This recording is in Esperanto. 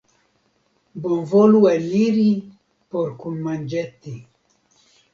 Bonvolu eniri por kunmanĝeti!